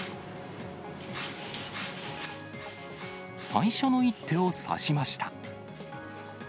最初の一手を指しました。